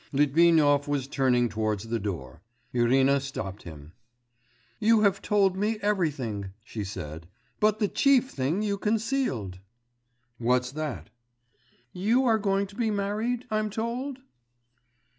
Litvinov was turning towards the door.... Irina stopped him. 'You have told me everything,' she said, 'but the chief thing you concealed.' 'What's that?' 'You are going to be married, I'm told?